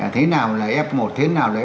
thế nào là f một thế nào là f hai